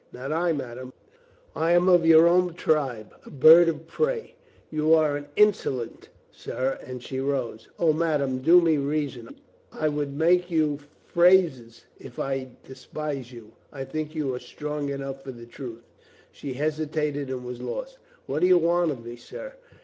"Not I, madame. I am of your own tribe — a. bird of prey." "You are an insolent, sir," and she rose. "O, madame, do me reason. I would make you LUCINDA AGAIN AN INSPIRATION 333 phrases if I despised you. I think you are strong enough for the truth." She hesitated and was lost. "What do you want of me, sir?"